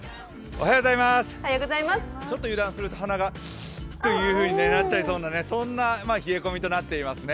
ちょっと油断すると鼻がズズズってなっちゃうぐらいそんな冷え込みとなっていますね。